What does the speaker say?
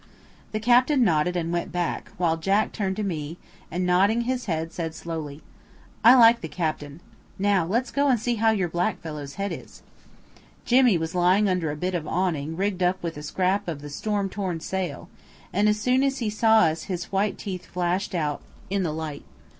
The captain nodded and went back, while Jack turned to me, and nodding his head said slowly: "I like the captain. Now let's go and see how your black fellow's head is." Jimmy was lying under a bit of awning rigged up with a scrap of the storm torn sail; and as soon as he saw us his white teeth flashed out in the light.